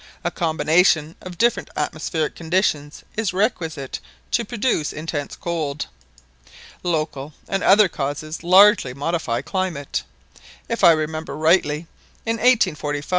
A combination of different atmospheric conditions is requisite to produce intense cold. Local and other causes largely modify climate. If I remember rightly in 1845 ...